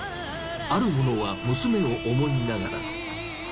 ある者は娘を思いながら。